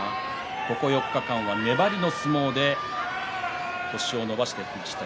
ここ４日間は粘りの相撲で星を伸ばしてきました。